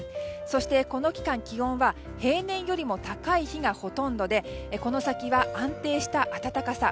そして、この期間気温は平年よりも高い日がほとんどでこの先は安定した暖かさ。